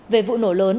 về vụ nổ lớn